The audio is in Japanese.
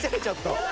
ちょっと。